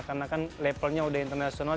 karena kan levelnya udah internasional